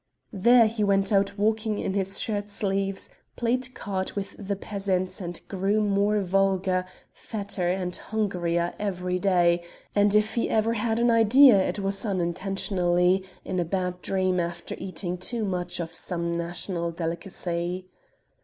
There he went out walking in his shirt sleeves, played cards with the peasants and grew more vulgar, fatter, and hungrier every day; and if he ever had an idea it was unintentionally, in a bad dream after eating too much of some national delicacy.